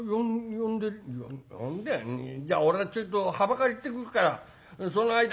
「呼んでじゃあ俺はちょいとはばかり行ってくるからその間」。